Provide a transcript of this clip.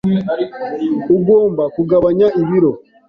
Ugomba kugabanya ibiro.